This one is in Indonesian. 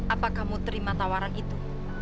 apa kamu terima tawaran itu